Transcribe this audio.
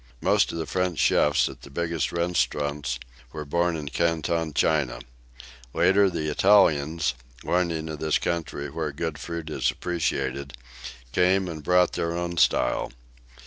Most of the French chefs at the biggest restaurants were born in Canton, China. Later the Italians, learning of this country where good food is appreciated, came and brought their own style.